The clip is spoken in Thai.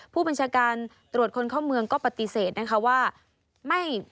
ผู้บัญชาการตรวจคนเข้าเมืองก็ปฏิเสธนะคะว่า